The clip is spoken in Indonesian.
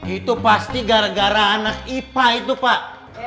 itu pasti gara gara anak ipa itu pak